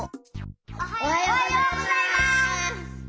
おはようございます！